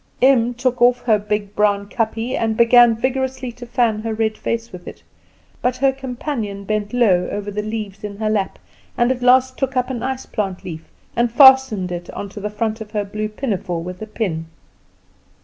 Em took off her big brown kapje and began vigorously to fan her red face with it; but her companion bent low over the leaves in her lap, and at last took up an ice plant leaf and fastened it on to the front of her blue pinafore with a pin.